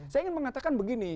saya ingin mengatakan begini